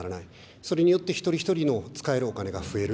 それによって一人一人の使えるお金が増える。